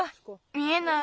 見えない。